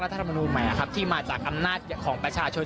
สังคมฯนิย์ใหม่ครับที่มาจากอำนาจของประชาชน